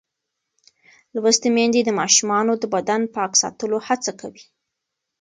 لوستې میندې د ماشومانو د بدن پاک ساتلو هڅه کوي.